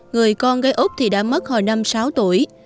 người con gái úc thì đã mất hồi năm sáu tuổi